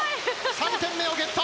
３点目をゲット。